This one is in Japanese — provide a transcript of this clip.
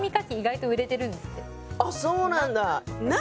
あっそうなんだ。